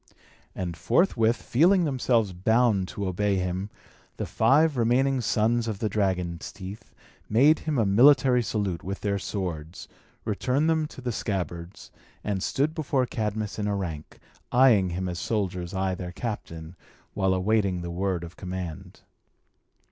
And forthwith, feeling themselves bound to obey him, the five remaining sons of the dragon's teeth made him a military salute with their swords, returned them to the scabbards, and stood before Cadmus in a rank, eyeing him as soldiers eye their captain, while awaiting the word of command.